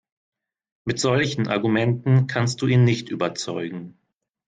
Mit solchen Argumenten kannst du ihn nicht überzeugen.